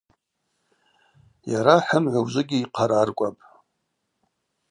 Йара хӏымгӏва ужвыгьи йхъараркӏвапӏ.